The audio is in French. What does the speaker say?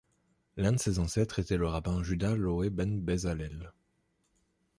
L'un de ses ancêtres était le rabbin Juda Loew ben Bezalel.